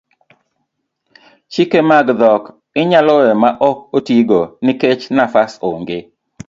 chike mag dhok inyalo we ma ok otigo nikech nafas ong'e